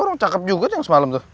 orang cakep juga tuh yang semalam tuh